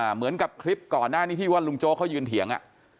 เหมือนกับคลิปก่อนหน้านี้ที่ว่าลุงโจ๊กเขายืนเถียง